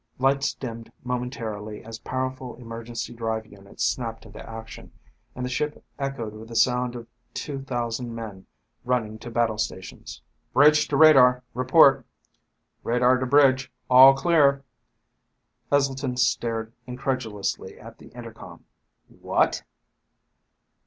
Lights dimmed momentarily as powerful emergency drive units snapped into action, and the ship echoed with the sound of two thousand men running to battle stations. "Bridge to radar! Report." "Radar to bridge. All clear." Heselton stared incredulously at the intercom. "What?"